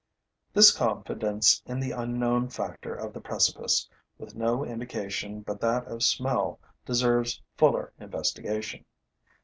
This confidence in the unknown factor of the precipice, with no indication but that of smell, deserves fuller, investigation.